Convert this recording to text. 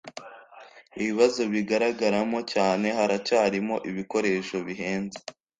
Ibibazo bigaragaramo cyane haracyarimo ibikoresho bihenze